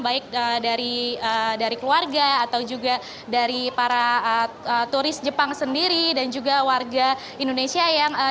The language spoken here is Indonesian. baik dari keluarga atau juga dari para turis jepang sendiri dan juga warga indonesia yang